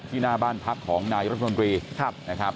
ที่หน้าบ้านพักของนายพระรัฐมนตรี